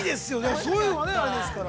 そういうのがあれですから。